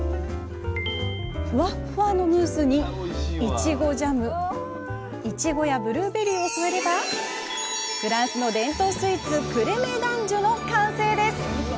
ふわっふわのムースにいちごジャムいちごやブルーベリーを添えればフランスの伝統スイーツクレメ・ダンジュの完成です！